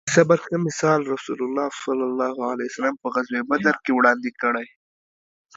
د صبر ښه مثال رسول الله ص په غزوه بدر کې وړاندې کړی